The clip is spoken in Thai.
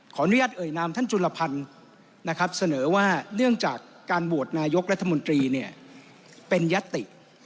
อนุญาตเอ่ยนามท่านจุลพันธ์นะครับเสนอว่าเนื่องจากการโหวตนายกรัฐมนตรีเนี่ยเป็นยัตติ